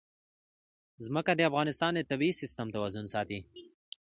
ځمکه د افغانستان د طبعي سیسټم توازن ساتي.